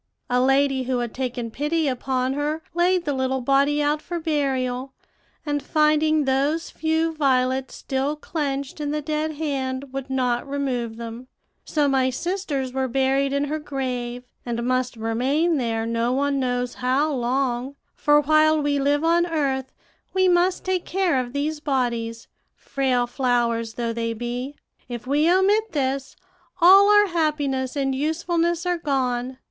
A lady who had taken pity upon her laid the little body out for burial, and finding those few violets still clinched in the dead hand, would not remove them; so my sisters were buried in her grave, and must remain there no one knows how long; for while we live on earth we must take care of these bodies, frail flowers though they be. If we omit this, all our happiness and usefulness are gone.